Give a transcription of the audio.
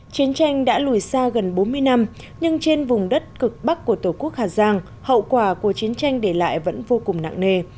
chiến tranh đã lùi xa gần bốn mươi năm nhưng trên vùng đất cực bắc của tổ quốc hà giang hậu quả của chiến tranh để lại vẫn vô cùng nặng nề